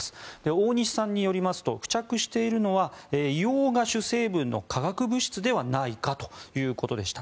大西さんによりますと付着しているのは硫黄が主成分の化学物質ではないかということでした。